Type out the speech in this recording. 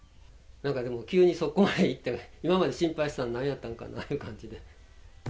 なんかでも急にそこまでいってね、今まで心配していたのはなんやったのかなという感じで。